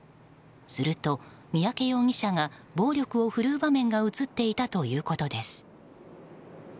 すると、三宅容疑者が暴力を振るう場面が映っていたということです。